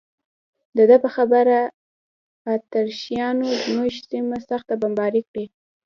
د ده په خبره اتریشیانو زموږ سیمه سخته بمباري کړې.